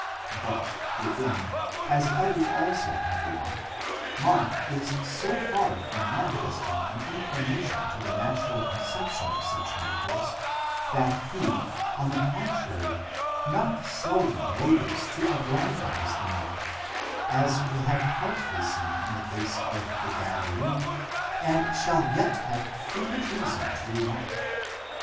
But herein, as others also have remarked,"° Mark is so far from manifesting an inclination to the natural con ception of such miracles, that he, on the contrary, not seldom labours to aggrandize the miracle, as we have partly seen in the case of the Gadarene, and shall yet have frequent reason to remark.